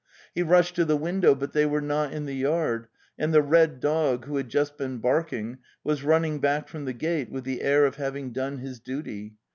He rushed to the window, but they were not in the yard, and the red dog, who had just been barking, was running back from the gate with the air of having done his duty.